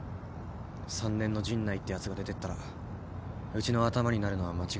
３年の陣内ってやつが出てったらうちのアタマになるのは間違いねえだろう。